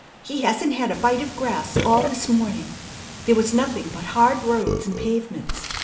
He hasn't had a bite of grass all this morning. There was nothing but hard roads and pavements.